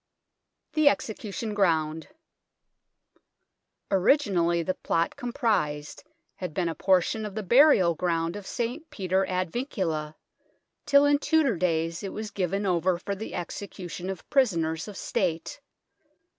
THE EXECUTION GROUND Originally the plot comprised had been a portion of the burial ground of St. Peter ad Vincula, till in Tudor days it was given over for the execution of prisoners of State.